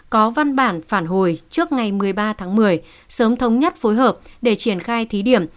có văn bản phản hồi trước ngày một mươi ba tháng một mươi sớm thống nhất phối hợp để triển khai thí điểm